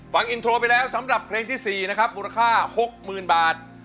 ฟังอินโทรไปแล้วสำหรับเพลงที่๔นะครับมูลค่า๖๐๐๐บาท